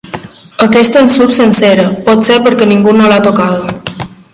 Aquesta en surt sencera, potser perquè ningú no l'ha tocada.